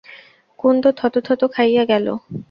কুন্দ থতথত খাইয়া গেল।